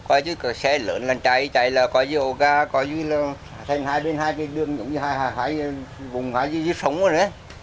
có như xe lớn là chạy chạy là có như ô ga có như là thành hai bên hai cái đường giống như hai vùng hai dưới sống rồi đấy